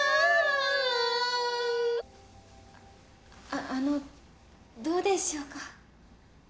あっあのどうでしょうか？